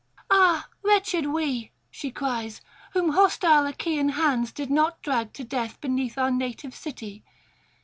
'Ah, wretched we,' she cries, 'whom hostile Achaean hands did not drag to death beneath our native city!